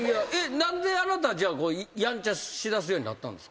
何であなたやんちゃしだすようになったんですか？